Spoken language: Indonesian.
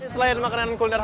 selain makanan kuliner